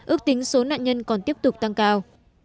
ước tính số nạn nhân còn tiếp tục tăng cao